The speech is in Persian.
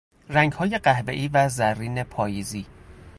رنگهای قهوهای و زرین پاییزی